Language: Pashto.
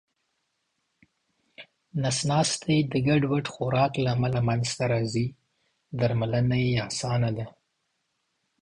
نس ناستی د ګډوډ خوراک له امله منځته راځې درملنه یې اسانه ده